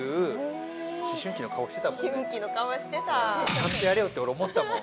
ちゃんとやれよ！っておれ思ったもん。